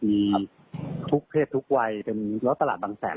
มีทุกเพศทุกวัยแล้วตลาดบางแสน